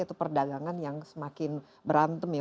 atau perdagangan yang semakin berantem ya